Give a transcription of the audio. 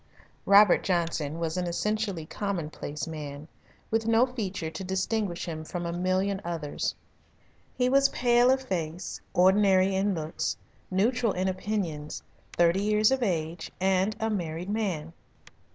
Robert Johnson was an essentially commonplace man, with no feature to distinguish him from a million others. He was pale of face, ordinary in looks, neutral in opinions, thirty years of age, and a married man.